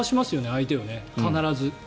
相手を、必ず。